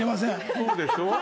そうでしょ？